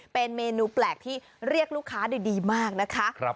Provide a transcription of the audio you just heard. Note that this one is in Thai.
เป็นเมนูแปลกที่เรียกลูกค้าได้ดีมากนะคะ